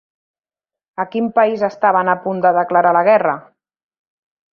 A quin país estaven a punt de declarar la guerra?